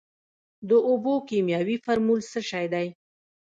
د اوبو کیمیاوي فارمول څه شی دی.